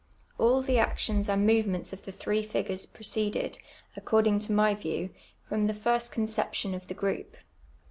All the actions and movementii! of the three fipfures proceeded, according to my ^•iew, from the fir^^t conception of the p oup.